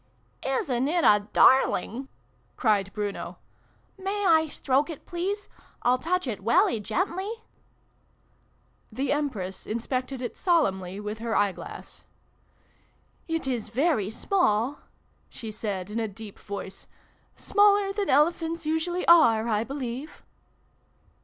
" Isn't it a darling ?" cried Bruno. " May I stroke it, please ? I'll touch it welly gently !" The Empress inspected it solemnly with her eye glass. " It is very small," she said in a deep voice. " Smaller than elephants usually are, I believe